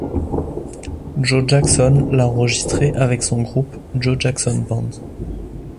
Joe Jackson l'a énregistrée avec son groupe Joe Jackson Band.